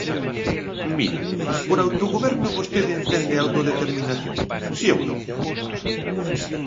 Mire, ¿por autogoberno vostede entende autodeterminación?, ¿si ou non?